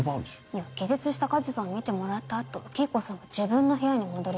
いや気絶した梶さん診てもらった後黄以子さんは自分の部屋に戻りました。